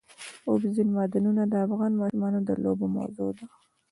اوبزین معدنونه د افغان ماشومانو د لوبو موضوع ده.